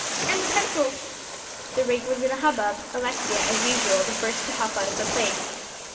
"And the pencils." The ring was in a hubbub; Alexia, as usual, the first to hop out of her place.